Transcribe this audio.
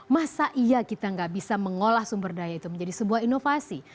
masa iya kita gak bisa mengolah sumber daya itu menjadi sebuah inovasi